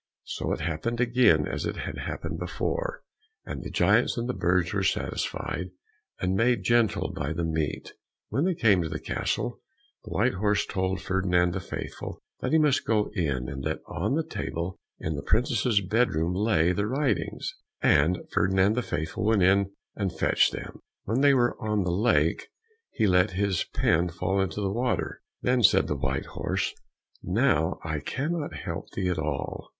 So it happened again as it had happened before, and the giants and the birds were satisfied, and made gentle by the meat. When they came to the castle, the white horse told Ferdinand the Faithful that he must go in, and that on the table in the princess's bed room lay the writings. And Ferdinand the Faithful went in, and fetched them. When they were on the lake, he let his pen fall into the water; then said the white horse, "Now I cannot help thee at all."